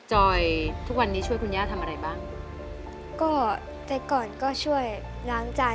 รายการต่อไปนี้เป็นรายการทั่วไปสามารถรับชมได้ทุกวัย